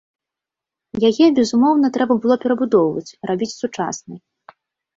Яе, безумоўна, трэба было перабудоўваць, рабіць сучаснай.